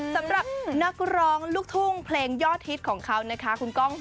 สำหรับนักร้องลูกทุ่งเพลงยอดฮิตของเขานะคะคุณก้อง